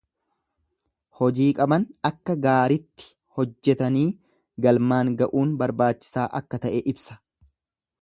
Hojii qaban akka gaaritti hojjetanii galmaan ga'uun barbaachisaa akka ta'e ibsa.